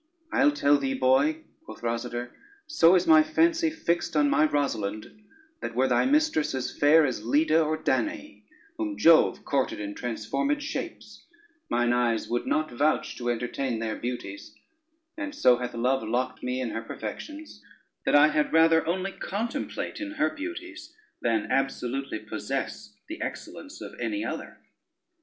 "I'll tell thee boy," quoth Rosader, "so is my fancy fixed on my Rosalynde, that were thy mistress as fair as Leda or Danaë, whom Jove courted in transformed shapes, mine eyes would not vouch to entertain their beauties; and so hath love locked me in her perfections, that I had rather only contemplate in her beauties, than absolutely possess the excellence of any other."